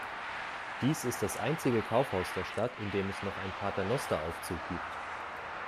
Dies ist das einzige Kaufhaus der Stadt, in dem es noch einen Paternosteraufzug gibt.